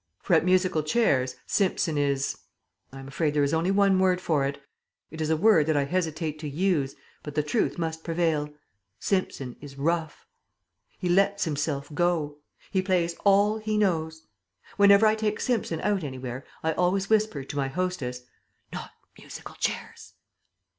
For at musical chairs Simpson is I am afraid there is only one word for it; it is a word that I hesitate to use, but the truth must prevail Simpson is rough. He lets himself go. He plays all he knows. Whenever I take Simpson out anywhere I always whisper to my hostess, "Not musical chairs."